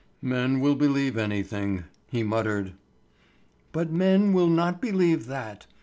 "Men will believe anything," he muttered. "But men will not believe that.